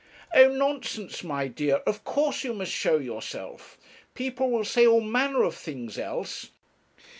'Oh! nonsense, my dear; of course you must show yourself. People will say all manner of things else.